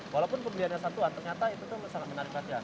walaupun pembeliannya satuan ternyata itu sangat menarik saja